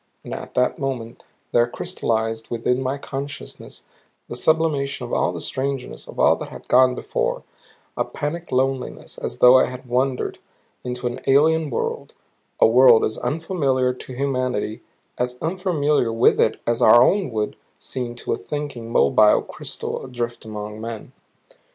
And at that moment there crystallized within my consciousness the sublimation of all the strangenesses of all that had gone before, a panic loneliness as though I had wandered into an alien world a world as unfamiliar to humanity, as unfamiliar with it as our own would seem to a thinking, mobile crystal adrift among men.